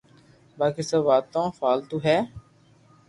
باقي سب واتو فالتو ھي